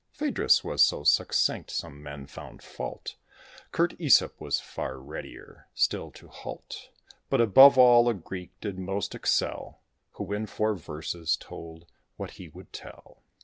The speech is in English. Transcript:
Phædrus was so succinct, some men found fault; Curt Æsop was far readier still to halt. But, above all, a Greek did most excel, Who in four verses told what he would tell.